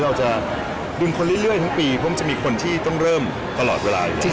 เราจะดุลคนเรื่อยทั้งปีเพราะมันจะมีคนที่ต้องเริ่มตลอดเวลาอยู่แล้ว